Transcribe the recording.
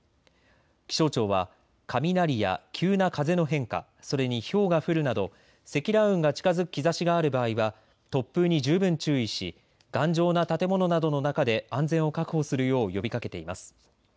気象庁は雷や急な風の変化、それにひょうが降るなど積乱雲が近づく兆しがある場合は突風に十分注意し頑丈な建物などの中で安全を確保するよう呼びかけています。